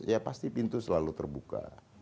ya pasti pintu selalu terbuka